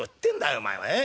お前はええ？